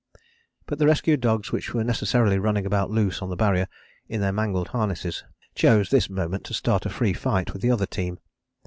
But the rescued dogs which were necessarily running about loose on the Barrier, in their mangled harnesses, chose this moment to start a free fight with the other team.